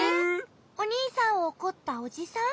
おにいさんをおこったおじさん？